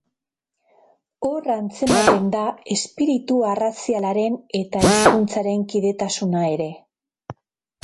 Hor atzematen da espiritu arrazialaren eta hizkuntzaren kidetasuna ere.